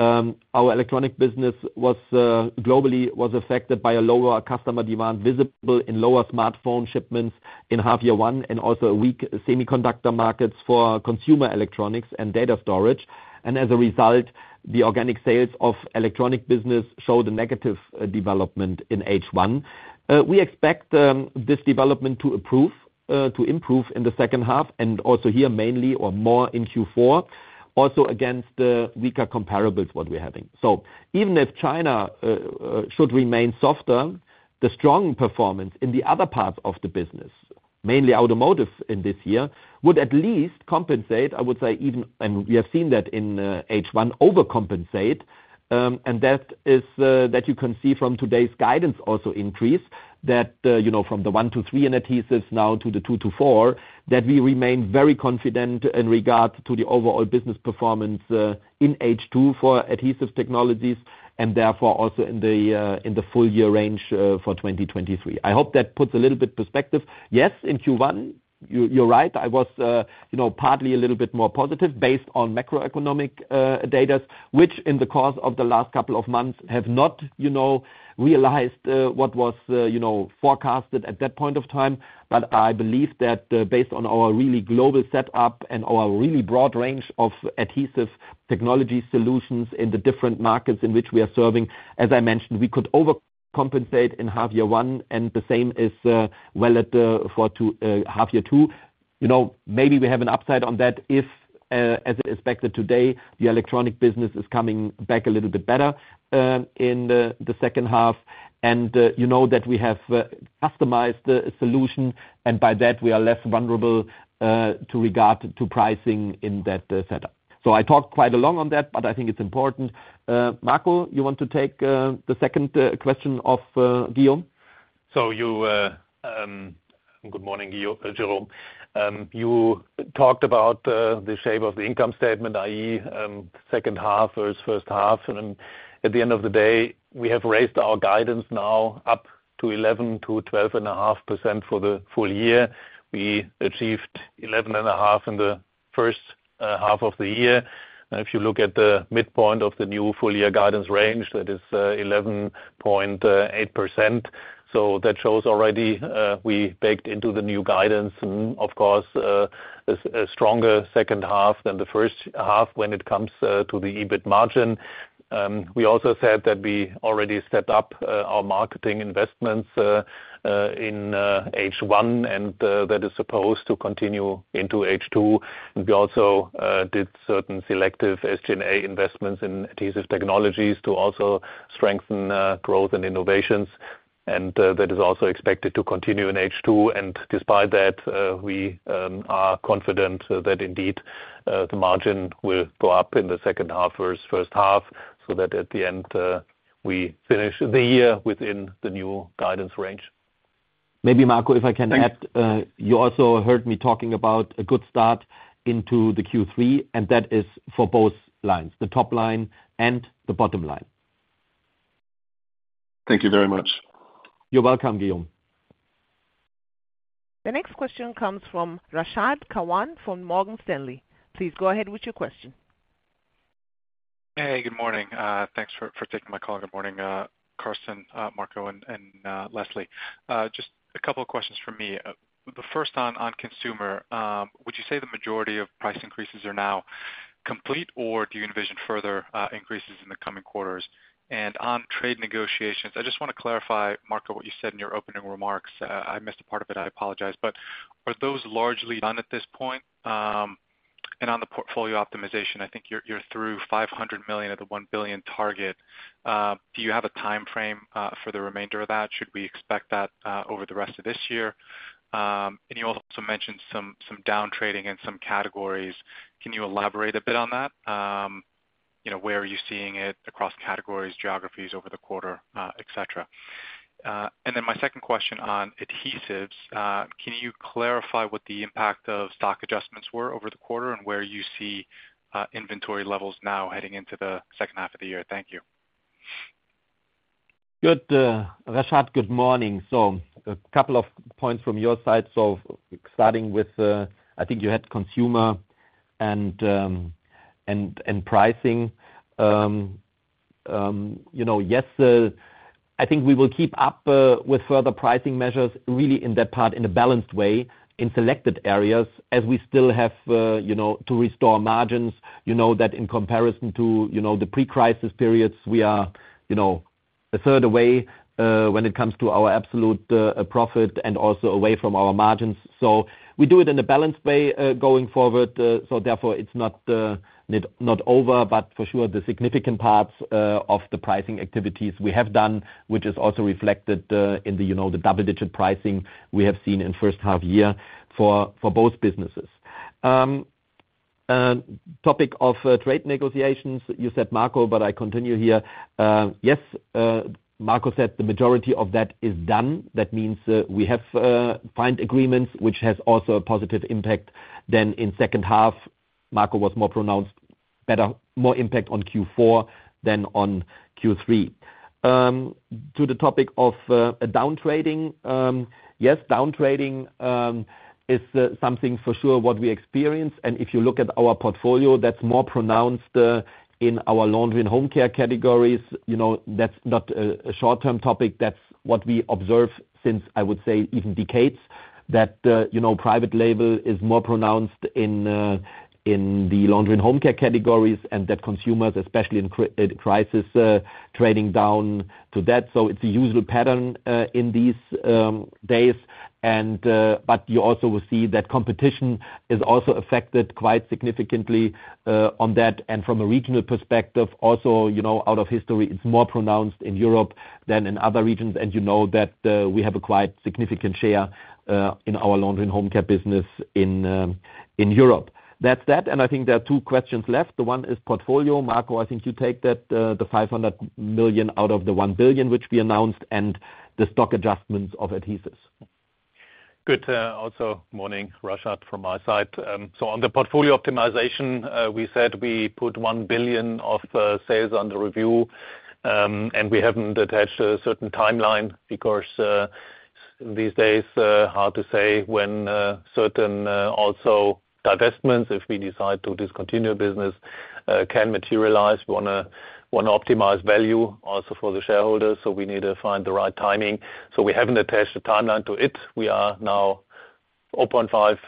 our electronic business was globally affected by a lower customer demand, visible in lower smartphone shipments in half year one and also weak semiconductor markets for consumer electronics and data storage. As a result, the organic sales of electronic business show the negative development in H1. We expect this development to improve to improve in the second half, and also here, mainly or more in Q4, also against the weaker comparables what we're having. Even if China should remain softer, the strong performance in the other parts of the business, mainly automotive in this year, would at least compensate, I would say, even. We have seen that in H1, overcompensate. That is, that you can see from today's guidance also increase, that, you know, from the 1-3 in adhesives now to the 2-4, that we remain very confident in regards to the overall business performance in H2 for Adhesive Technologies, and therefore, also in the full year range for 2023. I hope that puts a little bit perspective. Yes, in Q1, you, you're right, I was, you know, partly a little bit more positive based on macroeconomic datas, which in the course of the last couple of months have not, you know, realized what was, you know, forecasted at that point of time. I believe that, based on our really global setup and our really broad range of adhesive technology solutions in the different markets in which we are serving, as I mentioned, we could over-compensate in half year 1, and the same is, well, at the, for 2, half year 2. You know, maybe we have an upside on that if, as expected today, the electronic business is coming back a little bit better, in the, the second half. You know that we have customized the solution, and by that we are less vulnerable to regard to pricing in that setup. I talked quite a long on that, but I think it's important. Marco, you want to take the second question of Guillaume? Good morning, Guillaume, Jerome. You talked about the shape of the income statement, i.e., 2nd half versus 1st half, at the end of the day, we have raised our guidance now up to 11%-12.5% for the full year. We achieved 11.5 in the 1st half of the year. If you look at the midpoint of the new full year guidance range, that is 11.8%. That shows already we baked into the new guidance, of course, a stronger 2nd half than the 1st half when it comes to the EBIT margin. We also said that we already stepped up our marketing investments in H1, that is supposed to continue into H2. We also did certain selective SG&A investments in Adhesive Technologies to also strengthen growth and innovations, and that is also expected to continue in H2. Despite that, we are confident that indeed the margin will go up in the second half versus first half, so that at the end, we finish the year within the new guidance range. Maybe, Marco, if I can add- Thanks. You also heard me talking about a good start into the Q3, and that is for both lines, the top line and the bottom line. Thank you very much. You're welcome, Guillaume. The next question comes from Rashad Kawan from Morgan Stanley. Please go ahead with your question. Hey, good morning. Thanks for, for taking my call. Good morning, Carsten, Marco, and Leslie. Just a couple of questions from me. The first on, on consumer, would you say the majority of price increases are now complete, or do you envision further increases in the coming quarters? On trade negotiations, I just wanna clarify, Marco, what you said in your opening remarks. I missed a part of it, I apologize, but are those largely done at this point? On the portfolio optimization, I think you're, you're through 500 million of the 1 billion target. Do you have a timeframe for the remainder of that? Should we expect that over the rest of this year? You also mentioned some, some down trading in some categories. Can you elaborate a bit on that? you know, where are you seeing it across categories, geographies over the quarter, et cetera? Then my second question on adhesives, can you clarify what the impact of stock adjustments were over the quarter, and where you see inventory levels now heading into the second half of the year? Thank you. Good, Rashad, good morning. A couple of points from your side. Starting with, I think you had consumer and, and, and pricing. You know, yes, I think we will keep up with further pricing measures, really in that part, in a balanced way in selected areas, as we still have, you know, to restore margins. You know that in comparison to, you know, the pre-crisis periods, we are, you know, a third away when it comes to our absolute profit and also away from our margins. We do it in a balanced way, going forward. Therefore it's not not over, but for sure, the significant parts of the pricing activities we have done, which is also reflected in the, you know, the double-digit pricing we have seen in first half year for both businesses. Topic of trade negotiations. You said, Marco, but I continue here. Yes, Marco said the majority of that is done. That means, we have find agreements which has also a positive impact. In second half, Marco was more pronounced, better, more impact on Q4 than on Q3. To the topic of a down trading. Yes, down trading is something for sure what we experience, and if you look at our portfolio, that's more pronounced in our Laundry & Home Care categories. You know, that's not a short-term topic. That's what we observe since, I would say, even decades, that, you know, private label is more pronounced in, in the Laundry & Home Care categories, and that consumers, especially in crisis, trading down to that. It's a usual pattern in these days. You also will see that competition is also affected quite significantly on that. From a regional perspective, also, you know, out of history, it's more pronounced in Europe than in other regions. You know that, we have a quite significant share in our Laundry & Home Care business in Europe. That's that. I think there are two questions left. The one is portfolio. Marco, I think you take that, the 500 million out of the 1 billion, which we announced, and the stock adjustments of adhesives. Good, also morning, Rashad, from my side. On the portfolio optimization, we said we put 1 billion of sales under review. We haven't attached a certain timeline because these days, hard to say when certain also divestments, if we decide to discontinue business, can materialize. We wanna, wanna optimize value also for the shareholders, so we need to find the right timing. We haven't attached a timeline to it. We are now-... open 5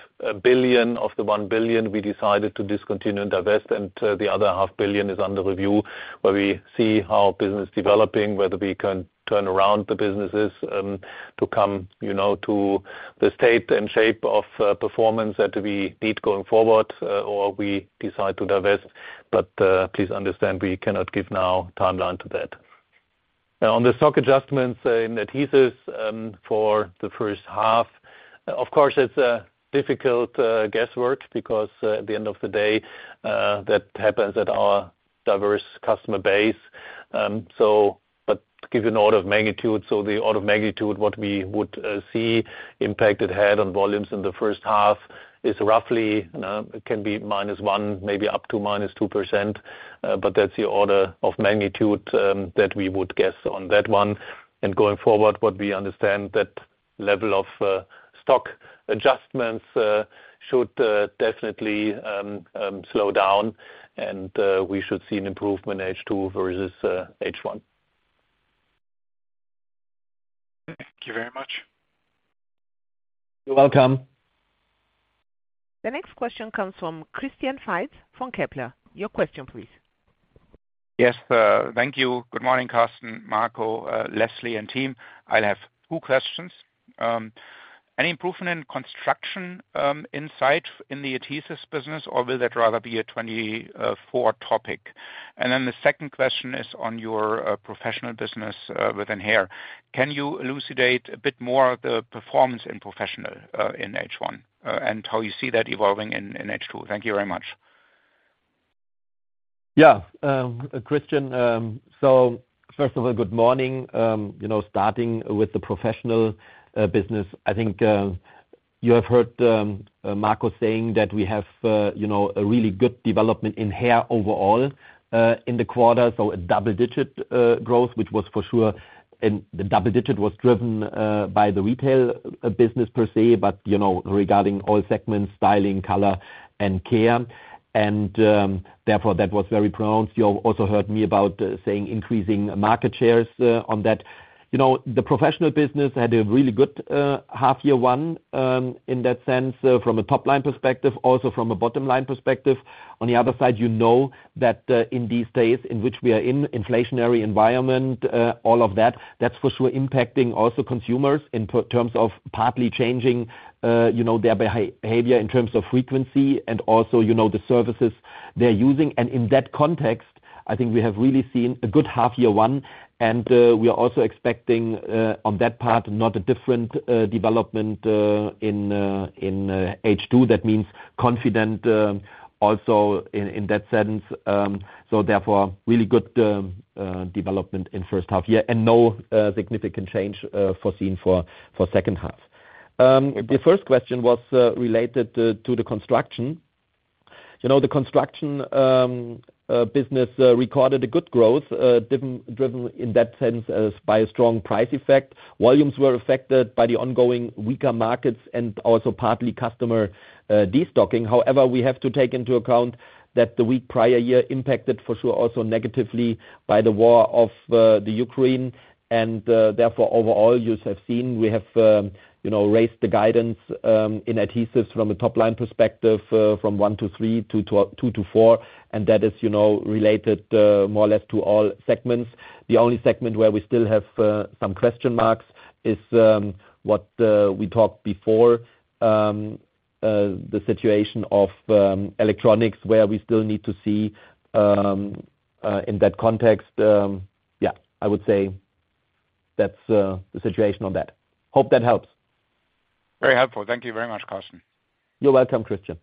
billion of the 1 billion we decided to discontinue and divest, the other 500 million is under review, where we see how business developing, whether we can turn around the businesses, to come, you know, to the state and shape of performance that we need going forward, or we decide to divest. Please understand, we cannot give now timeline to that. Now, on the stock adjustments in adhesives, for the first half, of course, it's a difficult guesswork because, at the end of the day, that happens at our diverse customer base. To give you an order of magnitude, so the order of magnitude, what we would see impact it had on volumes in the first half is roughly, you know, it can be -1, maybe up to -2%. That's the order of magnitude that we would guess on that one. Going forward, what we understand, that level of stock adjustments should definitely slow down, and we should see an improvement in H2 versus H1. Thank you very much. You're welcome. The next question comes from Christian Faitz from Kepler. Your question, please. Yes, thank you. Good morning, Carsten, Marco, Leslie, and team. I'll have two questions. Any improvement in construction, insight in the adhesives business, or will that rather be a 2024 topic? Then the second question is on your professional business within Hair. Can you elucidate a bit more the performance in professional in H1 and how you see that evolving in H2? Thank you very much. Yeah, Christian, so first of all, good morning. You know, starting with the professional business, I think, you have heard Marco saying that we have, you know, a really good development in Hair overall in the quarter, so a double-digit growth, which was for sure... The double-digit was driven by the retail business per se, but, you know, regarding all segments, styling, color, and care, and therefore, that was very pronounced. You also heard me about saying increasing market shares on that. You know, the professional business had a really good half year 1 in that sense, from a top-line perspective, also from a bottom-line perspective. On the other side, you know that, in these days in which we are in inflationary environment, all of that, that's for sure impacting also consumers in terms of partly changing, you know, their behavior in terms of frequency and also, you know, the services they're using. In that context, I think we have really seen a good half year one, and we are also expecting on that part, not a different development in H2. That means confident also in that sense. Therefore, really good development in first half year, and no significant change foreseen for second half. The first question was related to the construction. You know, the construction business recorded a good growth, driven, driven in that sense, by a strong price effect. Volumes were affected by the ongoing weaker markets and also partly customer destocking. However, we have to take into account that the weak prior year impacted for sure, also negatively by the war of the Ukraine. Therefore, overall, yous have seen, we have, you know, raised the guidance in adhesives from a top-line perspective, from 1%-3% to 2%-4%, and that is, you know, related more or less to all segments. The only segment where we still have some question marks is what we talked before, the situation of electronics, where we still need to see in that context, yeah, I would say that's the situation on that. Hope that helps. Very helpful. Thank you very much, Carsten. You're welcome, Christian.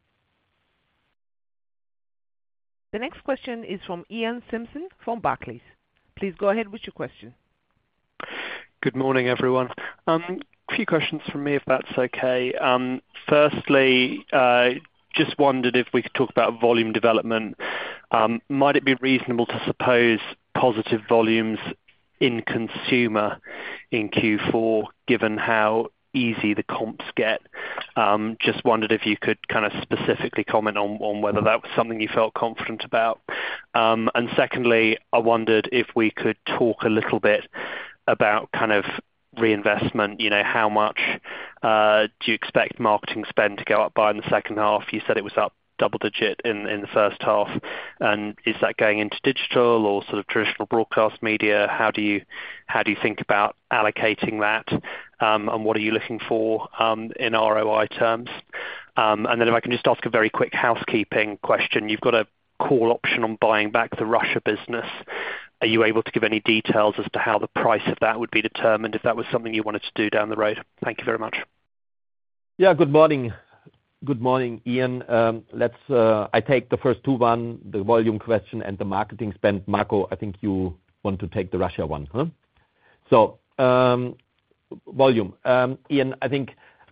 The next question is from Iain Simpson, from Barclays. Please go ahead with your question. Good morning, everyone. A few questions from me, if that's okay. Firstly, just wondered if we could talk about volume development. Might it be reasonable to suppose positive volumes in consumer in Q4, given how easy the comps get? Just wondered if you could kind of specifically comment on whether that was something you felt confident about. Secondly, I wondered if we could talk a little bit about kind of reinvestment, you know, how much do you expect marketing spend to go up by in the second half? You said it was up double digit in the first half, and is that going into digital or sort of traditional broadcast media? How do you, how do you think about allocating that, and what are you looking for in ROI terms? Then if I can just ask a very quick housekeeping question: You've got a call option on buying back the Russia business. Are you able to give any details as to how the price of that would be determined, if that was something you wanted to do down the road? Thank you very much. Yeah, good morning. Good morning, Ian. Let's, I take the first two, one, the volume question and the marketing spend. Marco, I think you want to take the Russia one, huh? Volume. Ian, I think,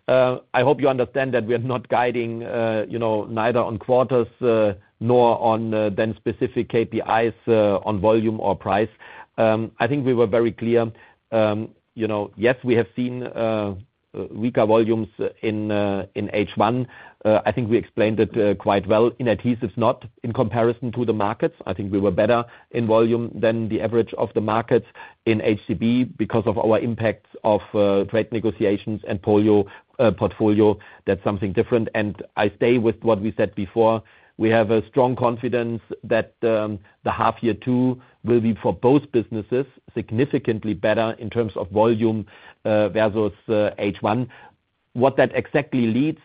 I hope you understand that we are not guiding, you know, neither on quarters, nor on, then specific KPIs, on volume or price. I think we were very clear. You know, yes, we have seen, weaker volumes in, in H1. I think we explained it, quite well. In adhesives, not in comparison to the markets. I think we were better in volume than the average of the markets in HCB because of our impacts of, trade negotiations and portfolio. That's something different, and I stay with what we said before. We have a strong confidence that the half year two will be, for both businesses, significantly better in terms of volume versus H1. What that exactly leads,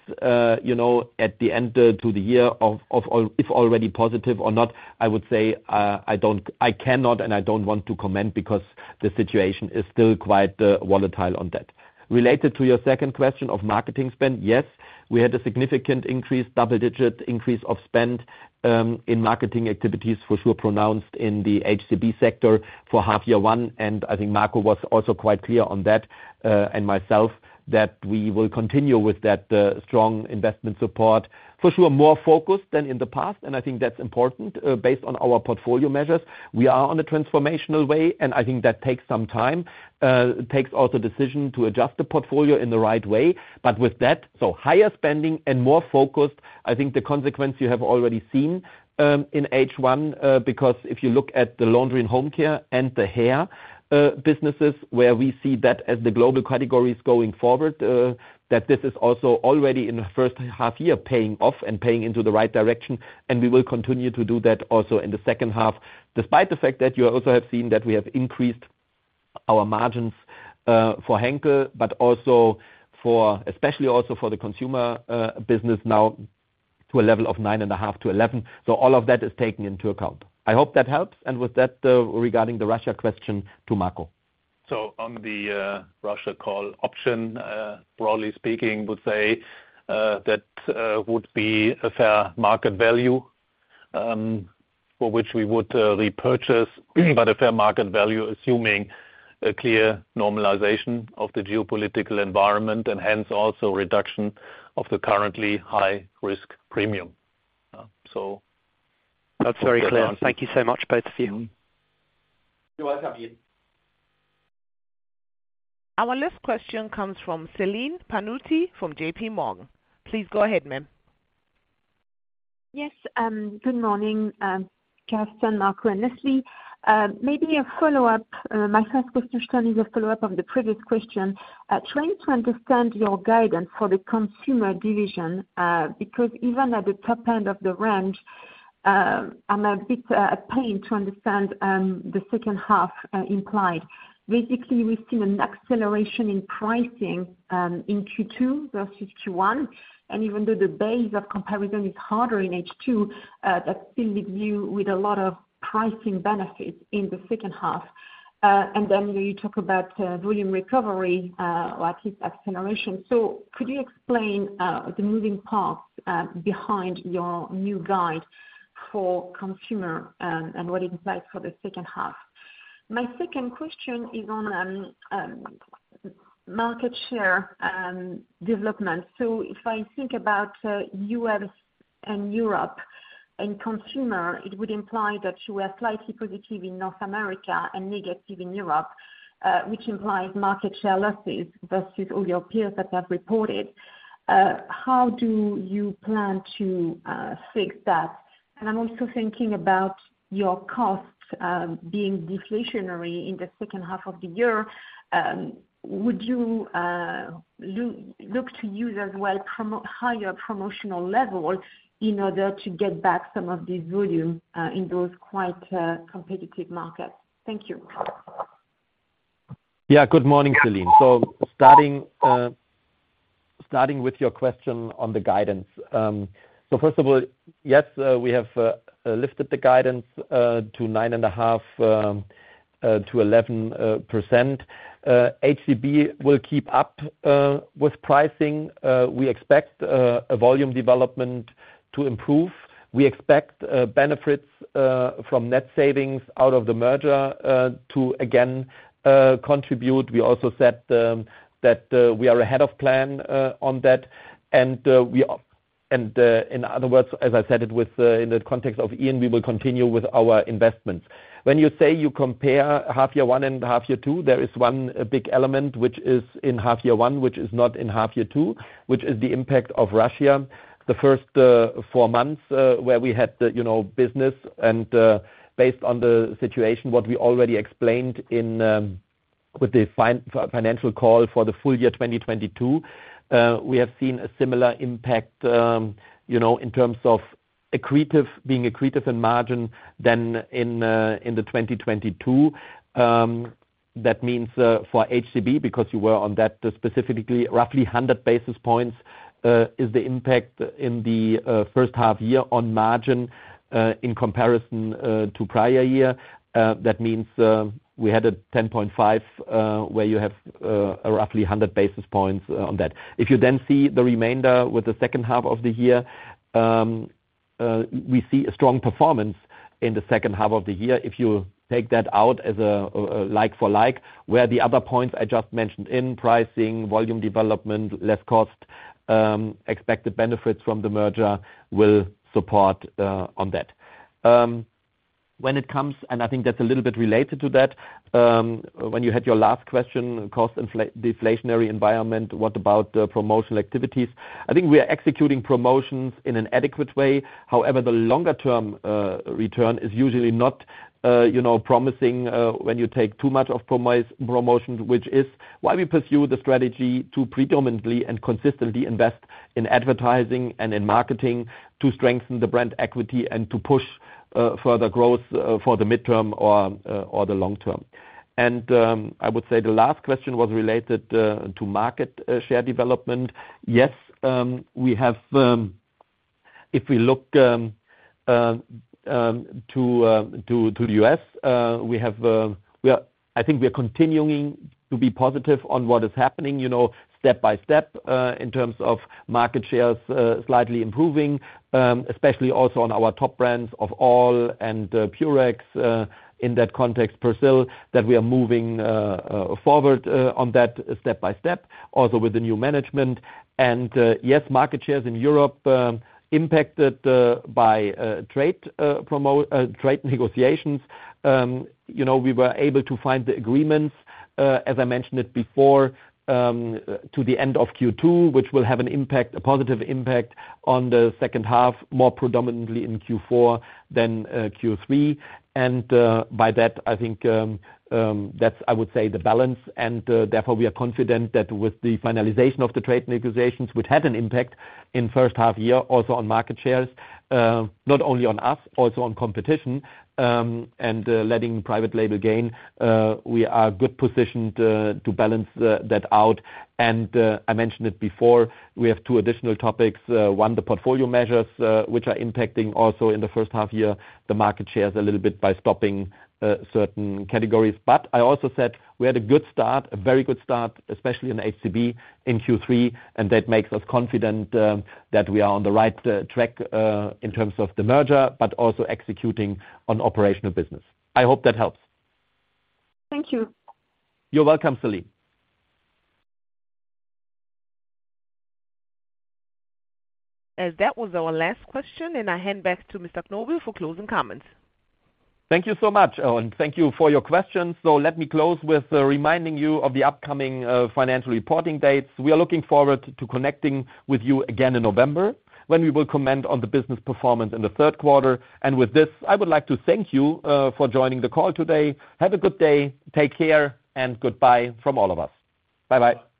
you know, at the end to the year of, of, or if already positive or not, I would say, I cannot, and I don't want to comment because the situation is still quite volatile on that. Related to your second question of marketing spend, yes, we had a significant increase, double-digit increase of spend in marketing activities, for sure, pronounced in the HCB sector for half year 1, and I think Marco was also quite clear on that and myself, that we will continue with that strong investment support, for sure, more focused than in the past, and I think that's important based on our portfolio measures. We are on a transformational way. I think that takes some time. It takes also decision to adjust the portfolio in the right way. With that, higher spending and more focused, I think the consequence you have already seen in H1, because if you look at the Laundry & Home Care and the Hair businesses, where we see that as the global categories going forward, that this is also already in the first half year, paying off and paying into the right direction. We will continue to do that also in the second half. Despite the fact that you also have seen that we have increased our margins for Henkel, but also for, especially also for the consumer business now to a level of 9.5%-11%. All of that is taken into account. I hope that helps, and with that, regarding the Russia question to Marco. On the Russia call option, broadly speaking, would say that would be a fair market value for which we would repurchase, by the fair market value, assuming a clear normalization of the geopolitical environment, and hence also reduction of the currently high risk premium. That's very clear. Thank you so much, both of you. You're welcome, Ian. Our last question comes from Celine Pannuti from J.P. Morgan. Please go ahead, ma'am. Yes, good morning, Carsten, Marco, and Leslie. Maybe a follow-up. My first question is a follow-up on the previous question. Trying to understand your guidance for the consumer division, because even at the top end of the range, I'm a bit a pain to understand the second half implied. Basically, we've seen an acceleration in pricing in Q2 versus Q1, and even though the base of comparison is harder in H2, that still leaves you with a lot of pricing benefits in the second half. Then you talk about volume recovery, or at least acceleration. Could you explain the moving parts behind your new guide for consumer, and what it invites for the second half? My second question is on market share development. If I think about US and Europe and consumer, it would imply that you are slightly positive in North America and negative in Europe, which implies market share losses versus all your peers that have reported. How do you plan to fix that? I'm also thinking about your costs being deflationary in the second half of the year. Would you look to use as well, higher promotional levels in order to get back some of these volume in those quite competitive markets? Thank you. Yeah, good morning, Celine. Starting with your question on the guidance. First of all, yes, we have lifted the guidance to 9.5-11%. HCB will keep up with pricing. We expect a volume development to improve. We expect benefits from net savings out of the merger to again contribute. We also said that we are ahead of plan on that. In other words, as I said it with in the context of Ian, we will continue with our investments. When you say you compare half year one and half year two, there is one big element which is in half year 1, which is not in half year 2, which is the impact of Russia. The first 4 months, where we had the, you know, business and, based on the situation, what we already explained in with the financial call for the full year 2022, we have seen a similar impact, you know, in terms of accretive, being accretive in margin than in the 2022. That means for HCB, because you were on that, specifically, roughly 100 basis points is the impact in the first half year on margin in comparison to prior year. That means we had a 10.5, where you have roughly 100 basis points on that. If you then see the remainder with the second half of the year, we see a strong performance in the second half of the year. If you take that out as a like for like, where the other points I just mentioned in pricing, volume development, less cost, expected benefits from the merger will support on that. When it comes, and I think that's a little bit related to that, when you had your last question, cost infla- deflationary environment, what about the promotional activities? I think we are executing promotions in an adequate way. However, the longer term, return is usually not, you know, promising, when you take too much of promotions, which is why we pursue the strategy to predominantly and consistently invest in advertising and in marketing, to strengthen the brand equity and to push further growth for the midterm or or the long term. I would say the last question was related to market share development. Yes, we have, if we look to the U.S., we have, I think we are continuing to be positive on what is happening, you know, step by step, in terms of market shares, slightly improving, especially also on our top brands of All and Purex, in that context, Persil, that we are moving forward on that step by step, also with the new management. Yes, market shares in Europe impacted by trade negotiations. You know, we were able to find the agreements, as I mentioned it before, to the end of Q2, which will have an impact, a positive impact, on the second half, more predominantly in Q4 than Q3. By that, I think, that's, I would say, the balance, and therefore, we are confident that with the finalization of the trade negotiations, which had an impact in first half year, also on market shares, not only on us, also on competition, and letting private label gain, we are good positioned, to balance that out. I mentioned it before, we have two additional topics. One, the portfolio measures, which are impacting also in the first half year, the market shares a little bit by stopping certain categories. I also said we had a good start, a very good start, especially in HCB in Q3, and that makes us confident that we are on the right track in terms of the merger, but also executing on operational business. I hope that helps. Thank you. You're welcome, Celine. That was our last question, and I hand back to Mr. Knobel for closing comments. Thank you so much, thank you for your questions. Let me close with reminding you of the upcoming financial reporting dates. We are looking forward to connecting with you again in November, when we will comment on the business performance in the third quarter. With this, I would like to thank you for joining the call today. Have a good day, take care, and goodbye from all of us. Bye-bye!